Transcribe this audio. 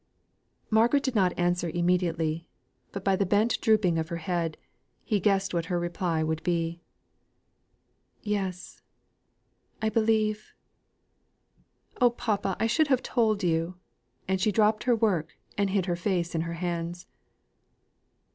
Margaret did not answer immediately; but by the bent drooping of her head, he guessed what her reply would be. "Yes; I believe oh, papa, I should have told you." And she dropped her work, and hid her face in her hands.